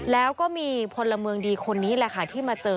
แล้วก็มีพลเมืองดีคนนี้แหละค่ะที่มาเจอ